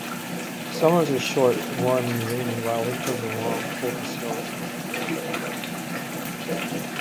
Summers are short, warm and rainy, while winters are long, cold and snowy.